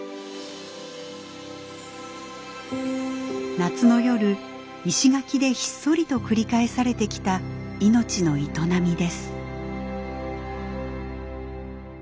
夏の夜石垣でひっそりと繰り返されてきた命の営みです。